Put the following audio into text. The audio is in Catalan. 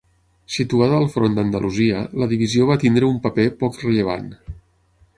Situada al front d'Andalusia, la divisió va tenir un paper poc rellevant.